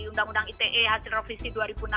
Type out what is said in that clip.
undang undang ite hasil revisi dua ribu enam belas